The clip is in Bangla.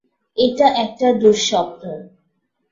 এটা একটা দুঃস্বপ্ন।